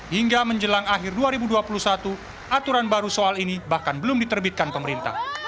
hingga menjelang akhir dua ribu dua puluh satu aturan baru soal ini bahkan belum diterbitkan pemerintah